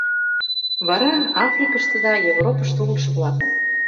Вара — Африкыште да Европышто улшо-влакын.